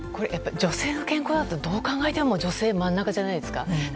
女性の健康だとどう考えても女性、真ん中じゃないですか。